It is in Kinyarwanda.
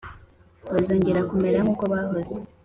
bazongera kumera nk’uko bahoze